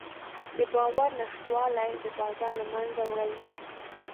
د باور نشتوالی د بازار له منځه وړل دي.